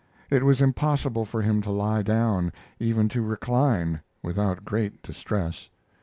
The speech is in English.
It was impossible for him to lie down, even to recline, without great distress.